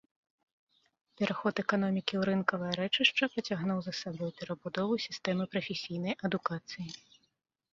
Пераход эканомікі ў рынкавае рэчышча пацягнуў за сабой перабудову сістэмы прафесійнай адукацыі.